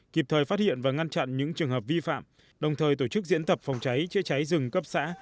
kịp thời phát hiện và ngăn chặn những trường hợp vi phạm đồng thời tổ chức diễn tập phòng cháy chữa cháy rừng cấp xã